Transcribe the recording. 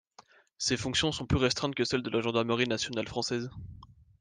Ses fonctions sont plus restreintes que celle de la Gendarmerie nationale française.